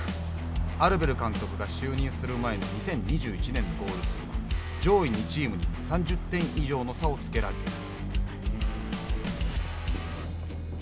アルベル監督が就任する前の２０２１年のゴール数は上位２チームに３０点以上の差をつけられています。